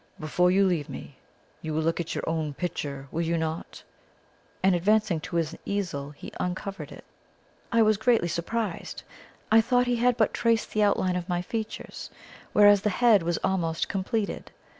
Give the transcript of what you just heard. Before you leave me, you will look at your own picture, will you not?" and, advancing to his easel, he uncovered it. I was greatly surprised. I thought he had but traced the outline of my features, whereas the head was almost completed.